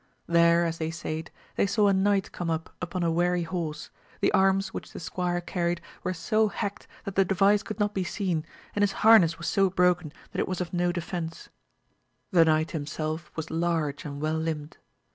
There as they sate they saw a knight come up upon a weary horse, the arms which the squire carried were so hacked that the device could not be seen, and his harness was so broken that it was of no defence ; the knight himself was large and well limbed.